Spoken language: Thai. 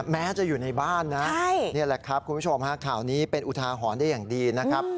แม้จะอยู่ในบ้านนะนี่แหละครับคุณผู้ชมฮะข่าวนี้เป็นอุทาหรณ์ได้อย่างดีนะครับ